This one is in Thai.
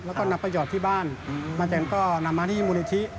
แล้วก็นำประโยชน์ที่บ้านมาจากนั้นก็นำมาที่มูลิธิ